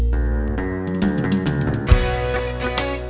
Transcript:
delapan satu komandan